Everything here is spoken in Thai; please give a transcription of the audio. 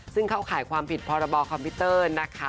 ซึ่งเข้าข่ายความผิดพรบคอมพิวเตอร์นะคะ